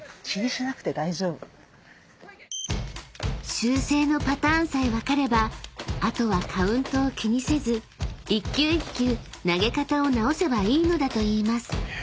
［修正のパターンさえ分かればあとはカウントを気にせず一球一球投げ方を直せばいいのだといいます］